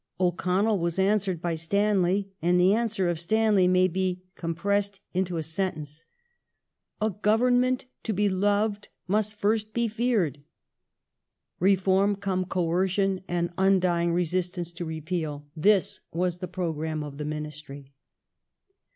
O'Connell was answered by Stanley ; and the answer o^ Stanley may be com pressed into a sentence :" A Government, to be loved, must first be feared ". Reform cum coercion and undying resistance to Repeal — this was the programme of the Ministry.